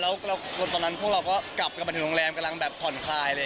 แล้วตอนนั้นพวกเราก็ขับมาโรงแรมกำลังผ่อนคลาย